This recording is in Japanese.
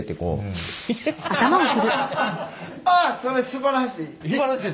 それすばらしい！